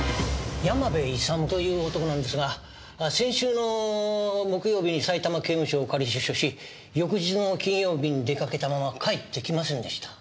山部勇という男なんですが先週の木曜日にさいたま刑務所を仮出所し翌日の金曜日に出かけたまま帰ってきませんでした。